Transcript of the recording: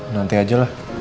nanti aja lah